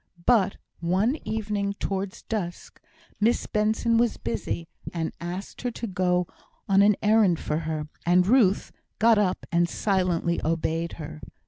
But one evening towards dusk, Miss Benson was busy, and asked her to go an errand for her; and Ruth got up and silently obeyed her.